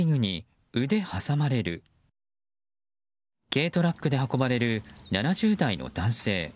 軽トラックで運ばれる７０代の男性。